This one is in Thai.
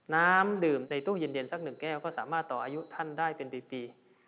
น้ำดื่มในตู้เย็นสักหนึ่งแก้วก็สามารถต่ออายุท่านได้เป็นปี